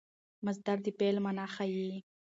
مصدر د فعل مانا ښيي.